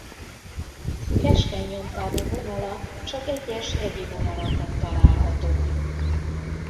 Keskeny nyomtávú vonalak csak egyes hegyi vonalakon találhatók.